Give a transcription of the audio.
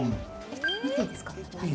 見ていいですか？